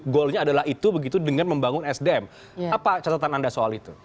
goalnya adalah itu begitu dengan membangun sdm apa catatan anda soal itu